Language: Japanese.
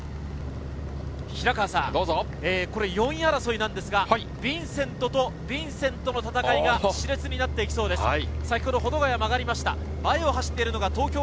平川さん、これ４位争いですが、ヴィンセントとヴィンセントの戦いが熾烈になっていきそうです。